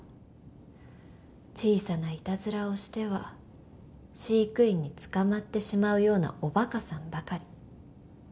小さないたずらをしては飼育員に捕まってしまうようなおバカさんばかり